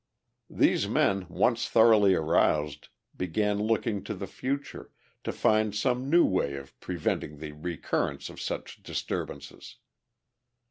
These men, once thoroughly aroused, began looking to the future, to find some new way of preventing the recurrence of such disturbances.